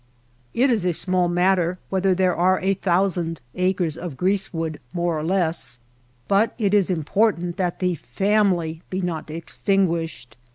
It is a small mat ter whether there are a thousand acres of grease wood more or less, but it is important that the family be not extinguished.